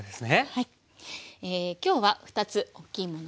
はい。